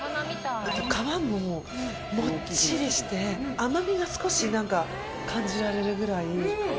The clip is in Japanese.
皮ももっちりして甘みが少し感じられるぐらい。